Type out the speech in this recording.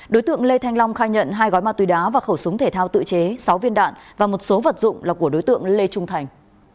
đối tượng lê thanh long khai nhận hai gói ma túy đá và khẩu súng thể thao tự chế sáu viên đạn và một số vật dụng là của đối tượng lê trung thành